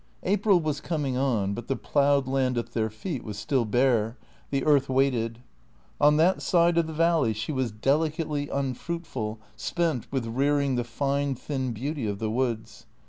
April was coming on, but the ploughed land at their feet was still bare; the earth waited. On that side of the valley she was delicately unfruitful, spent with rearing the fine, thin beauty of the woods.